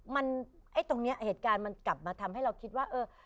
มันไอ้ตรงนี้เหตุการณ์มันกลับมาทำให้เราคิดว่าเออ